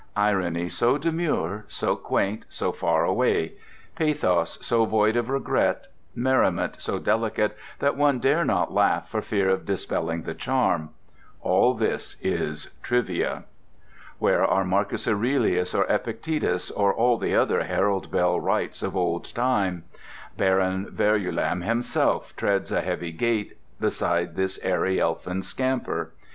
Irony so demure, so quaint, so far away; pathos so void of regret, merriment so delicate that one dare not laugh for fear of dispelling the charm—all this is "Trivia." Where are Marcus Aurelius or Epictetus or all the other Harold Bell Wrights of old time? Baron Verulam himself treads a heavy gait beside this airy elfin scamper.